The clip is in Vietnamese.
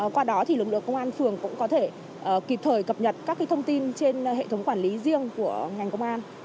qua đó thì lực lượng công an phường cũng có thể kịp thời cập nhật các thông tin trên hệ thống quản lý riêng của ngành công an